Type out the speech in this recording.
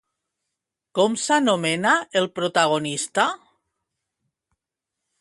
Com s'anomena el protagonista?